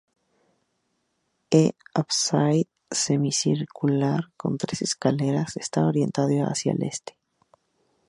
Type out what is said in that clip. E ábside semicircular con tres escaleras está orientado hacia el este.